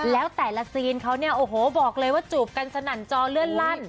แล้วแต่ละซีนเขาบอกเลยว่าจูบกันสนั่นจอเลื่อนลั่น